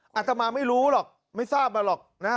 อาตมาไม่รู้หรอกไม่ทราบมาหรอกนะฮะ